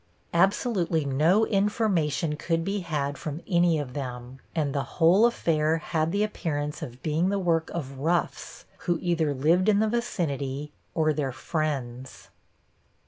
Absolutely no information could be had from any of them, and the whole affair had the appearance of being the work of roughs who either lived in the vicinity, or their friends.